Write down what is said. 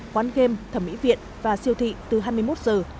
quán game thẩm mỹ viện và siêu thị từ hai mươi một giờ